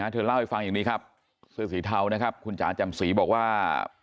เธอเล่าให้ฟังอย่างนี้ครับเสื้อสีเทานะครับคุณจ๋าแจ่มสีบอกว่า